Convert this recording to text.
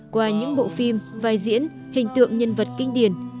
qua những bộ phim vai diễn hình tượng nhân vật kinh điển